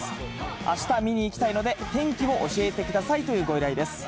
あした見に行きたいので、天気を教えてくださいというご依頼です。